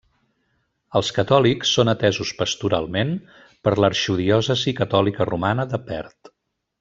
Els catòlics són atesos pastoralment per l'arxidiòcesi catòlica romana de Perth.